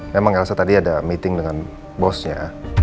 memang elsa tadi ada meeting dengan bosnya